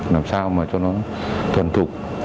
làm sao mà cho nó thuần thục